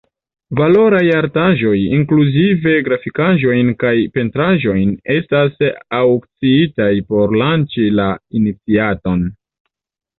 Valoraj artaĵoj – inkluzive grafikaĵojn kaj pentraĵojn – estas aŭkciitaj por lanĉi la iniciaton.